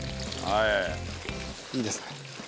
いいですね。